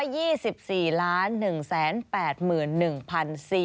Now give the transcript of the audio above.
เขาก็วิ่งไปเรื่อยนะ